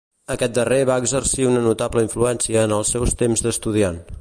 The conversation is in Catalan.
Aquest darrer va exercir una notable influència en els seus temps d'estudiant.